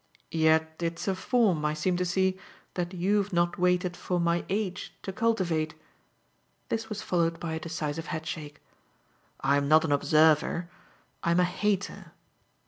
"Yet it's a form, I seem to see, that you've not waited for my age to cultivate." This was followed by a decisive headshake. "I'm not an observer. I'm a hater."